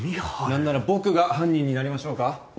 何なら僕が犯人になりましょうか？